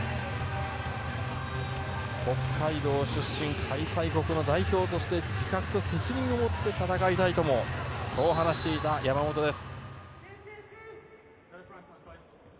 北海道出身、開催国の代表として自覚と責任をもって戦いたいとも話していた山本です。